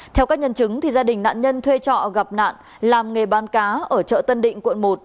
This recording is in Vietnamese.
theo các nhân chứng gia đình nạn nhân thuê trọ gặp nạn làm nghề bán cá ở chợ tân định quận một